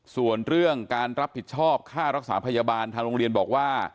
ส่วนเรื่องการรับผิดชอบค่ารักษาพยาบาลทางโรงเรียนบอกว่า